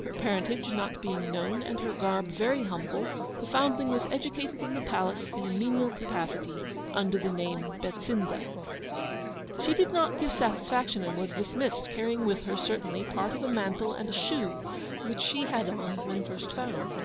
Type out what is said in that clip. Her parentage not being known, and her garb very humble, the foundling was educated in the Palace in a menial capacity, under the name of BETSINDA. 'She did not give satisfaction, and was dismissed, carrying with her, certainly, part of a mantle and a shoe, which she had on when first found.